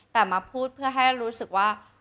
แต่มาพูดเพื่อให้รู้สึกว่า